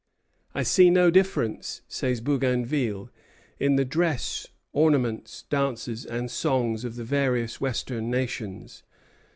"I see no difference," says Bougainville, "in the dress, ornaments, dances, and songs of the various western nations.